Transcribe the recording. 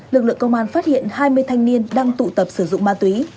lực lượng công an phát hiện hai mươi thanh niên đang tụ tập sử dụng ma túy